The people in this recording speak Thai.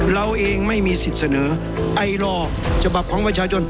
เราเองไม่มีสิทธิ์เสนอไอลอร์ฉบับของประชาชน